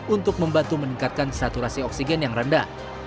untuk membantu meningkatkan saturasi oksigen yang rendah